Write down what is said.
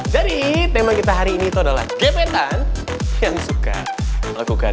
jadi tema kita hari ini tuh adalah gepetan yang suka lakukan